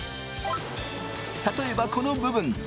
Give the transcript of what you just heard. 例えばこの部分。